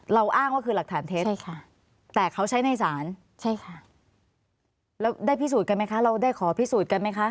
อ้างว่าคือหลักฐานเท็จใช่ค่ะแต่เขาใช้ในศาลใช่ค่ะแล้วได้พิสูจน์กันไหมคะเราได้ขอพิสูจน์กันไหมคะ